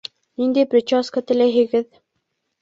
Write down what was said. Ниндәй прическа теләйһегеҙ?